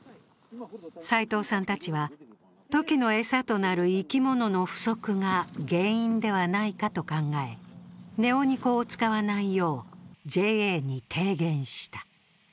斎藤さんたちはトキの餌となる生き物の不足が原因ではないかと考え、ネオニコを使わないようＪＡに提言した。